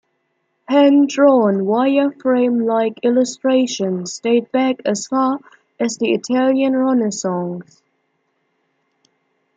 Hand-drawn wire-frame-like illustrations date back as far as the Italian Renaissance.